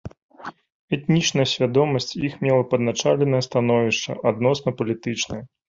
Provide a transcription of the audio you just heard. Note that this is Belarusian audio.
Этнічная свядомасць іх мела падначаленае становішча адносна палітычнай.